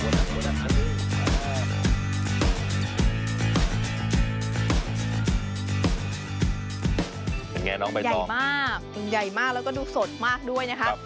ยังไงน้องไม่ต้องใหญ่มากมันใหญ่มากแล้วก็ดูสดมากด้วยนะครับครับ